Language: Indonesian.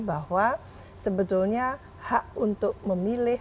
bahwa sebetulnya hak untuk memilih